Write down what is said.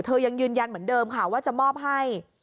ยังยืนยันเหมือนเดิมค่ะว่าจะมอบให้